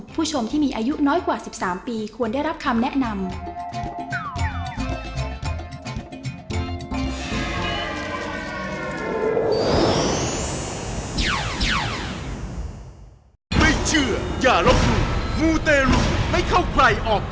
ผู้ชมที่มีอายุน้อยกว่า๑๓ปีควรได้รับคำแนะนำ